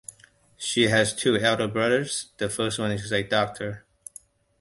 She has two elder brothers, the first one is a doctor.